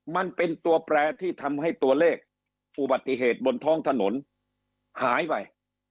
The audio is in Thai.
มันเป็นตัวแปรที่ทำให้ตัวเลขอุบัติเหตุบนท้องถนนหายไป